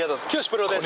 プロです。